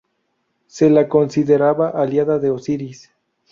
Se la consideraba aliada de Osiris.